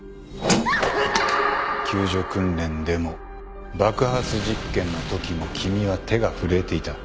救助訓練でも爆発実験のときも君は手が震えていた。